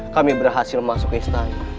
kami berhasil masuk istana